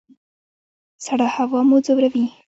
سړه هوا مو ځوروي؟